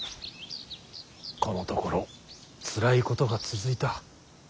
このところつらいことが続いた。